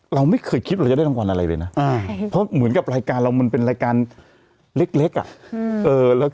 เราไม่เคยคิดว่าเราจะได้รางวัลอะไรเลยนะเพราะเหมือนกับรายการเรามันเป็นรายการเล็กอ่ะ